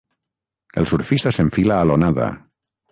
El surfista s'enfila a l'onada.